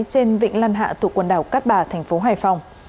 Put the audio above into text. trên vịnh lan hạ thuộc quần đảo cát bà tp hoài phòng